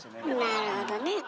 なるほどね。